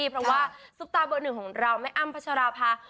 เพราะว่าซุปตาเบอร์หนึ่งของเราแม่อ้ำพัชราภา